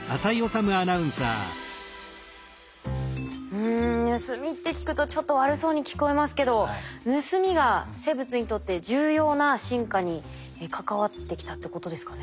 うん「盗み」って聞くとちょっと悪そうに聞こえますけど盗みが生物にとって重要な進化に関わってきたってことですかね。